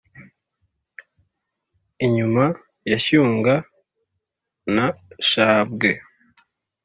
inyuma ya shyunga, na shabwe